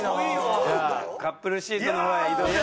じゃあカップルシートの方へ移動。